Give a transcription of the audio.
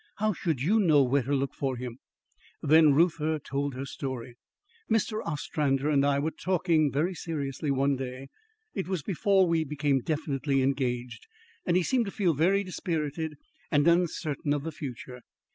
How should you know where to look for him?" Then Reuther told her story. "Mr. Ostrander and I were talking very seriously one day. It was before we became definitely engaged, and he seemed to feel very dispirited and uncertain of the future.